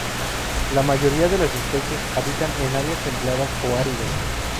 La mayoría de las especies habitan en áreas templadas o áridas.